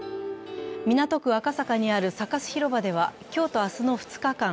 港区・赤坂にあるサカス広場では今日と明日の２日間